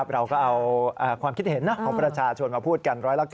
เราก็เอาความคิดเห็นของประชาชนมาพูดกัน๑๙